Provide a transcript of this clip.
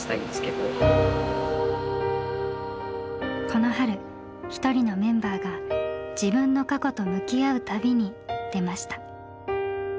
この春一人のメンバーが自分の過去と向き合う旅に出ました。